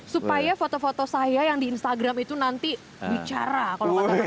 supaya foto foto saya yang di instagram itu nanti bicara kalau kata dokter